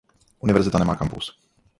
Univerzita nemá kampus.